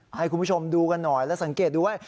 ให้คุณผู้ชมดูกันหน่อยและสังเกตดูด้วย